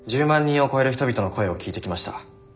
人を超える人々の声を聞いてきました。